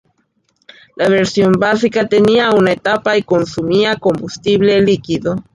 La versión básica tenía una etapa y consumía combustible líquido.